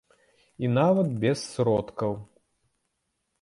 І нават без сродкаў.